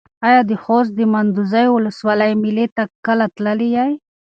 ایا د خوست د منډوزیو ولسوالۍ مېلې ته کله تللی یې؟